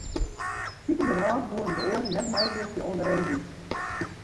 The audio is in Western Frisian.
Spitigernôch woene de oaren net meiwurkje oan de reüny.